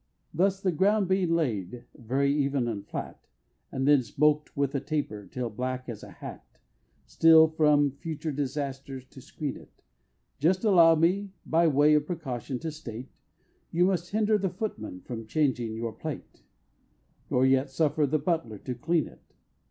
Thus the ground being laid, very even and flat, And then smoked with a taper, till black as a hat, Still from future disasters to screen it, Just allow me, by way of precaution, to state, You must hinder the footman from changing your plate, Nor yet suffer the butler to clean it.